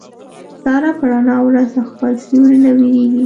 ساره په رڼا ورځ له خپل سیوري نه وېرېږي.